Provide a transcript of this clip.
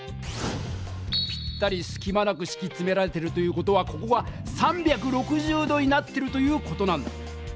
ぴったりすきまなくしきつめられてるという事はここが３６０度になってるという事なんだ。